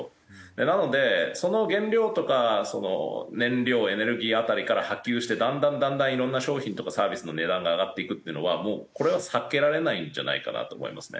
なのでその原料とか燃料エネルギー辺りから波及してだんだんだんだん色んな商品とかサービスの値段が上がっていくっていうのはもうこれは避けられないんじゃないかなと思いますね。